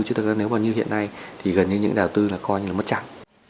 chứ thật ra nếu mà như hiện nay thì gần như những nhà đầu tư là coi như là mất trắng